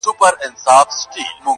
نه هغه ښکلي پخواني خلک په سترګو وینم-